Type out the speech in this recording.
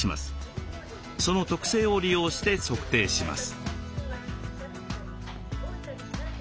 その特性を利用して測定します。